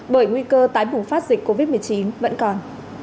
bởi nguy cơ tái bùng phát dịch covid một mươi chín vẫn còn